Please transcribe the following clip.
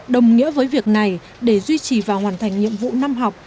đồng nghĩa với việc này để duy trì và hoàn thành nhiệm vụ năm học